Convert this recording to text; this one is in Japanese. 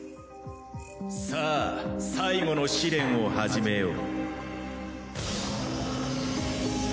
さあ最後の試練を始めよう。